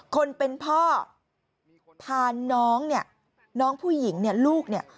คนเป็นพ่อพาน้องเนี่ยน้องผู้หญิงเนี่ยลูกเนี่ย